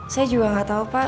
saya juga gak tau pak